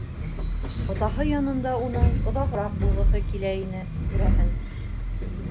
Атаһы янында уның оҙағыраҡ булғыһы килә ине, күрәһең.